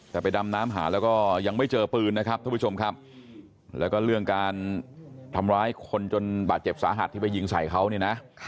แต่ไปดำน้ำหาแล้วก็ยังไม่เจอปืนนะครับท่านผู้ชมครับแล้วก็เรื่องการทำร้ายคนจนบาดเจ็บสาหัสที่ไปยิงใส่เขาเนี่ยนะ